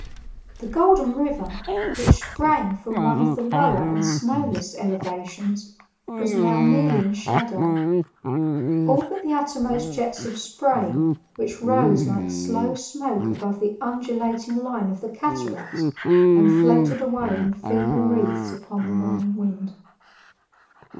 The Golden River, which sprang from one of the lower and snowless elevations, was now nearly in shadow all but the uppermost jets of spray, which rose like slow smoke above the undulating line of the cataract and floated away in feeble wreaths upon the morning wind.